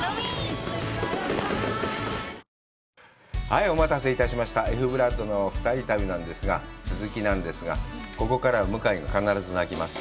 はい、お待たせいたしました、Ｆ−ＢＬＯＯＤのお二人旅なんですが、続きなんですが、ここからは向井が必ず泣きます。